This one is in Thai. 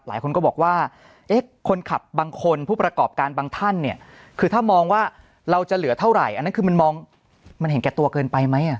หลายคนก็บอกว่าเอ๊ะคนขับบางคนผู้ประกอบการบางท่านเนี่ยคือถ้ามองว่าเราจะเหลือเท่าไหร่อันนั้นคือมันมองมันเห็นแก่ตัวเกินไปไหม